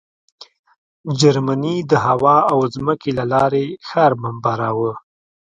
جرمني د هوا او ځمکې له لارې ښار بمباراوه